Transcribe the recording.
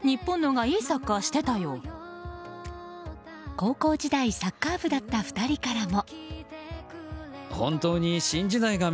高校時代サッカー部だった２人からも。